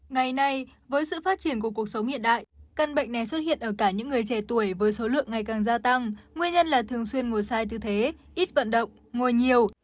ngày nay với sự phát triển của cuộc sống hiện đại căn bệnh này xuất hiện ở cả những người trẻ tuổi với số lượng ngày càng gia tăng nguyên nhân là thường xuyên ngồi sai tư thế ít vận động ngồi nhiều